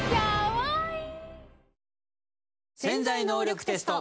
「潜在能力テスト」。